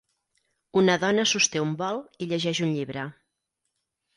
Una dona sosté un bol i llegeix un llibre.